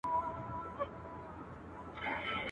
عمر د سپي راباندي تېر سو، حساب د سړي راسره کوي.